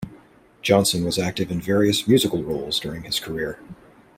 Johnson was active in various musical roles during his career.